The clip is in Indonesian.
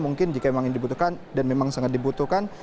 mungkin jika memang ini dibutuhkan dan memang sangat dibutuhkan